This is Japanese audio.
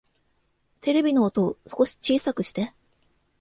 テレビの音、少し小さくして